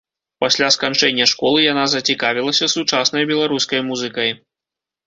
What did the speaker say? Пасля сканчэння школы яна зацікавілася сучаснай беларускай музыкай.